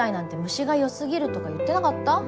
虫がよすぎるとか言ってなかった？